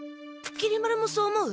きり丸もそう思う？